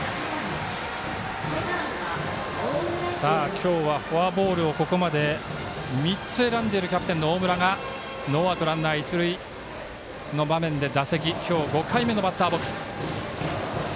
今日はフォアボールをここまで３つ選んでいるキャプテンの大村がノーアウトランナー、一塁の場面で今日５回目のバッターボックス。